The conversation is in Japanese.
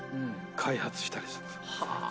開発したりするんです。